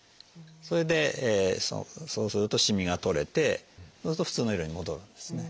それでそうするとしみが取れてそうすると普通の色に戻るんですね。